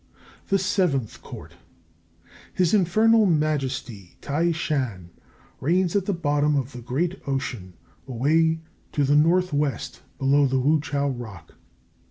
THE SEVENTH COURT. His Infernal Majesty, T'ai Shan, reigns at the bottom of the great Ocean, away to the north west, below the Wu chiao rock.